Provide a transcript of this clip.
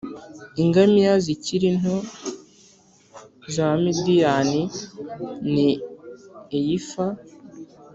ingamiya zikiri nto z’i madiyani n’i eyifa;